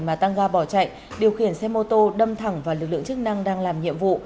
mà tăng ga bỏ chạy điều khiển xe mô tô đâm thẳng vào lực lượng chức năng đang làm nhiệm vụ